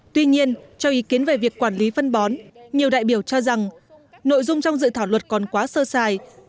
tuy nhiên cho ý kiến về việc quản lý phân bón nhiều đại biểu cho rằng nội dung trong dự thảo luật còn quá sơ sài